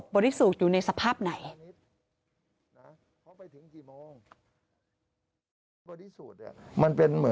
ริสูจน์อยู่ในสภาพไหน